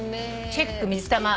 チェック水玉。